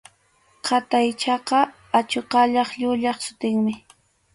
Qataychaqa achuqallap llulla sutinmi.